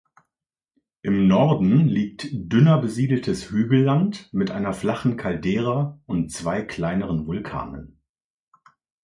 Im Norden liegt dünner besiedeltes Hügelland mit einer flachen Caldera und zwei kleineren Vulkanen.